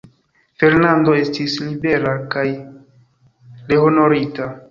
Fernando estis libera kaj rehonorita.